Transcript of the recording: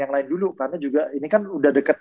yang lain dulu karena juga ini kan udah deket